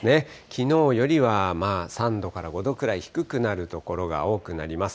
きのうよりは、まあ３度から５度くらい低くなる所が多くなります。